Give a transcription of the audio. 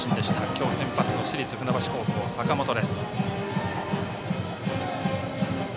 今日先発の市立船橋高校坂本です。